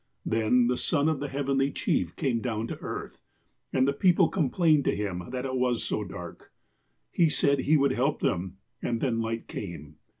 Then, the sou of the Heavenly Chief came down to earth, and the people com plained to him that it was so dark. He said he would help them, and then light came.